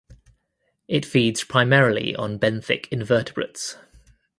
It feeds primarily on benthic invertebrates.